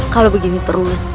kalau begini terus